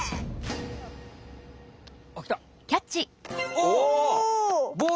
おお！